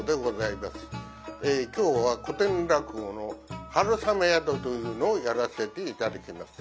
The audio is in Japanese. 今日は古典落語の「春雨宿」というのをやらせて頂きます。